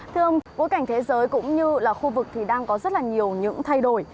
thưa ông bối cảnh thế giới cũng như là khu vực thì đang có rất là nhiều những thay đổi